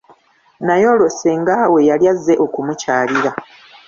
Naye olwo ssengaawe, yali azze okumukyalira.